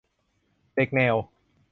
- เด็กแนว